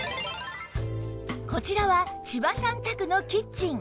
こちらは千葉さん宅のキッチン